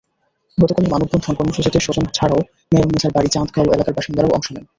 গতকালের মানববন্ধন কর্মসূচিতে স্বজন ছাড়াও মেহেরুন্নেছার বাড়ি চান্দগাঁও এলাকার বাসিন্দারাও অংশ নেন।